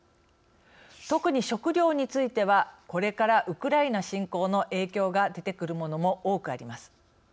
特に、食料についてはこれからウクライナ侵攻の影響が出てくるものも多くあります。